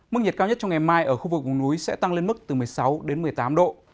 mức nhiệt cao nhất trong ngày mai ở khu vực vùng núi sẽ tăng lên mức từ một mươi sáu đến một mươi tám độ